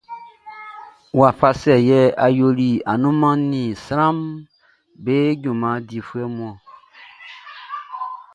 Wafa sɛ yɛ ɔ yoli annunman ni sranʼm be junman difuɛ mun?